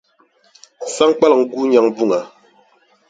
Saŋkpaliŋ guui nyaŋ buŋa.